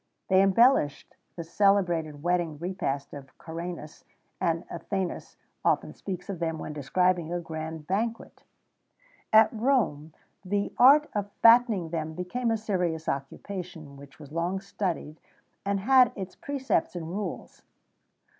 They embellished the celebrated wedding repast of Caranus; and Athenæus often speaks of them when describing a grand banquet.[XVII 20] At Rome, the art of fattening them became a serious occupation, which was long studied, and had its precepts and rules.